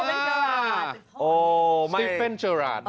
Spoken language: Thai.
สติฟเฟนเจอราด